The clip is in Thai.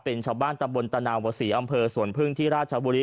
เป็นชาวบ้านตำบลตนาวศรีอำเภอสวนพึ่งที่ราชบุรี